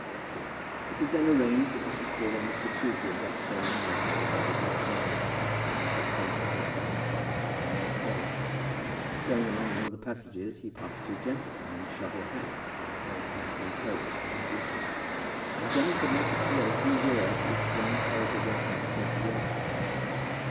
It was then arranged that he should call on Mr. Toogood that same night or early the next morning, and that he should come to the hotel at twelve o'clock on the next day. Going along one of the passages he passed two gentlemen in shovel hats, with very black new coats, and knee breeches; and Johnny could not but hear a few words which one clerical gentleman said to the other.